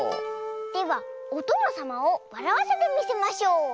ではおとのさまをわらわせてみせましょう！